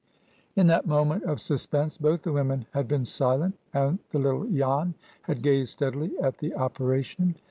In that moment of suspense both the women had been silent, and the little Jan had gazed steadily at the operation.